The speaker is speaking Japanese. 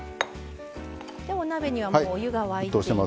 お鍋にはもうお湯が沸いています。